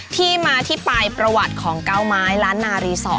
ที่มาที่ไปประวัติของเก้าไม้ล้านนารีสอร์ท